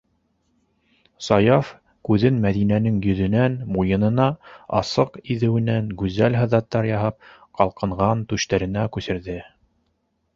Саяф күҙен Мәҙинәнең йөҙөнән муйынына, асыҡ иҙеүенән гүзәл һыҙаттар яһап ҡалҡынған түштәренә күсерҙе.